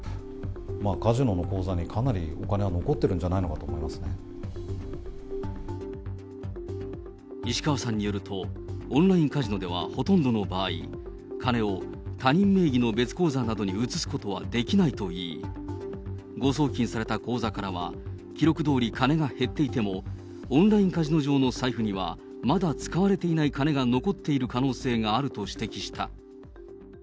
カジノの口座にかなりのお金が残ってるんじゃないかと思いま石川さんによると、オンラインカジノではほとんどの場合、金を他人名義の別口座などに移すことはできないといい、誤送金された口座からは、記録どおり金が減っていても、オンラインカジノ上のサイトにはまだ使われていない金が残っている可能性があると指摘した。